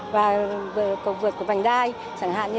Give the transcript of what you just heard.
và vượt qua những cơ cầu vượt qua những cơ cầu vượt qua những cơ cầu vượt qua